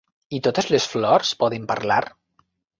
I totes les flors poden parlar?